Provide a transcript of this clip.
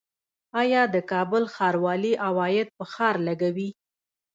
آیا د کابل ښاروالي عواید په ښار لګوي؟